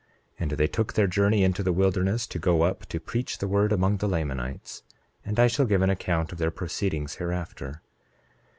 28:9 And they took their journey into the wilderness to go up to preach the word among the Lamanites; and I shall give an account of their proceedings hereafter.